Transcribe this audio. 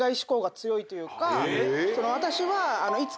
私は。